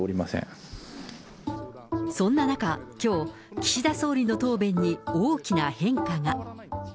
そんな中、きょう、岸田総理の答弁に大きな変化が。